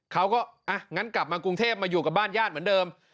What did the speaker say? เขาก็อ่ะงั้นกลับมากรุงเทพมาอยู่กับบ้านญาติเหมือนเดิม